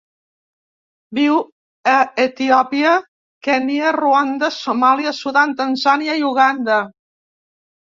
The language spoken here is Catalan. Viu a Etiòpia, Kenya, Ruanda, Somàlia, Sudan, Tanzània i Uganda.